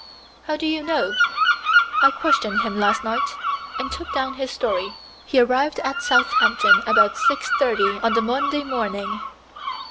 "How do you know?" "I questioned him last night, and took down his story. He arrived in Southampton about six thirty on the Monday morning."